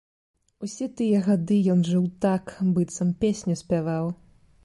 Усе тыя гады ён жыў так, быццам песню спяваў.